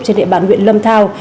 trên địa bàn huyện lâm thao